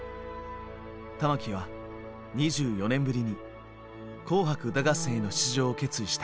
玉置は２４年ぶりに「紅白歌合戦」への出場を決意した。